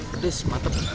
kedis mata penuh